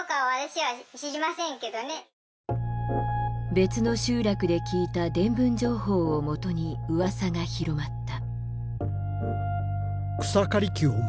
別の集落で聞いた伝聞情報をもとにうわさが広まった。